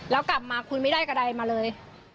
แล้วกลับมาคุณไม่ได้กระดายมาเลย